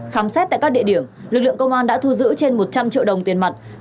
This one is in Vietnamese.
khám xét tại các địa điểm lực lượng công an đã thu giữ trên một trăm linh triệu đồng tiền mặt